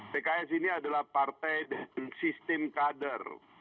pks ini adalah partai dan sistem kader